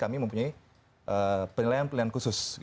kami mempunyai penilaian penilaian khusus